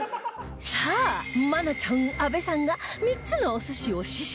さあ愛菜ちゃん阿部さんが３つのお寿司を試食